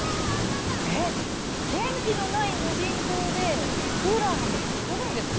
電気のない無人島でクーラーなんて作れるんですか？